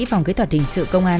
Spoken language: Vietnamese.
phòng kỹ thuật hình sự công an